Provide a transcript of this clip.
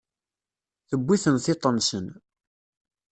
Tewwi-ten tiṭ-nsen.